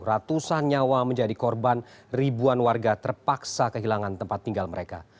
ratusan nyawa menjadi korban ribuan warga terpaksa kehilangan tempat tinggal mereka